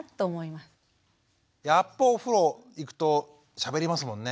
やっぱお風呂行くとしゃべりますもんね。